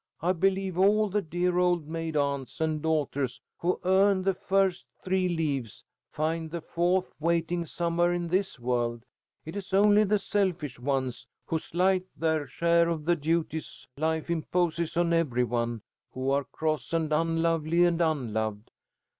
"I believe all the dear old maid aunts and daughters, who earn the first three leaves, find the fourth waiting somewhere in this world. It is only the selfish ones, who slight their share of the duties life imposes on every one, who are cross and unlovely and unloved.